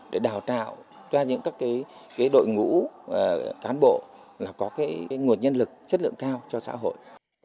để đào trạo ra những các cái đội ngũ cán bộ là có cái nguồn nhân lực chất lượng cao cho xã hội